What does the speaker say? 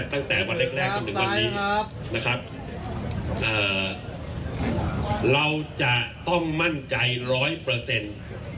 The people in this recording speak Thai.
ตั้งแต่วันแรกแรกจนถึงวันนี้นะครับเอ่อเราจะต้องมั่นใจร้อยเปอร์เซ็นต์